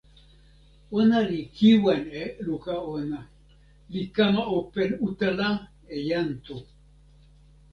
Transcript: ona li kiwen e luka ona, li kama open utala e jan Tu.